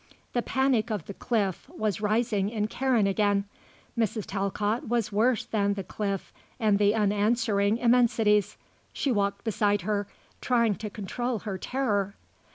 The panic of the cliff was rising in Karen again. Mrs. Talcott was worse than the cliff and the unanswering immensities. She walked beside her, trying to control her terror.